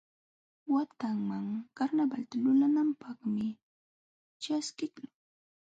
Watanman karnawalta lulananpaqmi ćhaskiqlun.